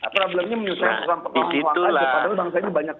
problemnya menyusahkan seorang penguatang hoak